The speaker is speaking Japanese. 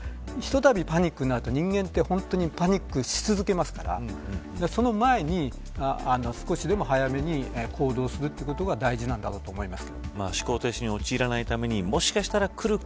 ひとたびパニックになると人間はパニックし続けますからその前に少しでも早めに行動するということが大事なんだろうと思います。